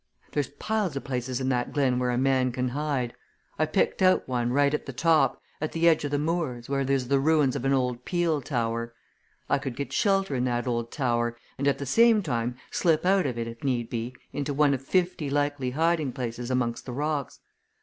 There's piles o' places in that glen where a man can hide I picked out one right at the top, at the edge of the moors, where there's the ruins of an old peel tower. I could get shelter in that old tower, and at the same time slip out of it if need be into one of fifty likely hiding places amongst the rocks.